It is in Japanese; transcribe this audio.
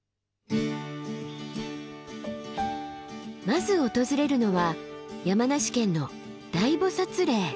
まず訪れるのは山梨県の大菩嶺。